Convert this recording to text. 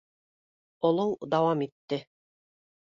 Олоу дауам итте.